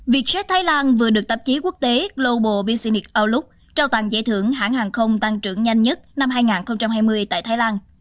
vietjet thái lan vừa được tạp chí quốc tế global business ounlook trao tặng giải thưởng hãng hàng không tăng trưởng nhanh nhất năm hai nghìn hai mươi tại thái lan